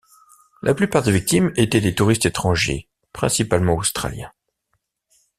La plupart des victimes étaient des touristes étrangers, principalement australiens.